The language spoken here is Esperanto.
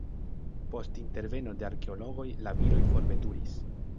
Post interveno de arkeologoj la viroj forveturis.